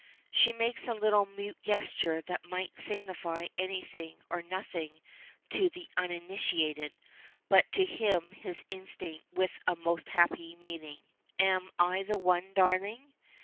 She makes a little mute gesture that might signify anything or nothing to the uninitiated, but to him is instinct with a most happy meaning. "Am I that one, darling?"